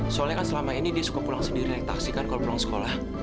soalnya kan selama ini dia suka pulang sendiri naik taksi kan kalau pulang sekolah